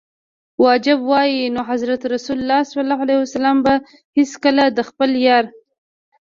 واجب وای نو حضرت رسول ص به هیڅکله د خپل یار.